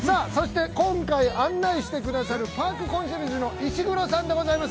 ◆今回案内してくださるパークコンシェルジュの石黒さんでございます。